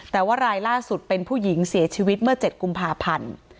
แต่ว่ารายล่าสุดเป็นผู้หญิงเสียชีวิตเมื่อ๗กุมภาพันธ์